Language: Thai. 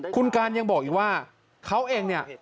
คุณการยังบอกอีกว่าเขาเองเนี่ย